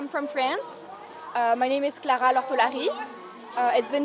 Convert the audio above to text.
tôi đến từ pháp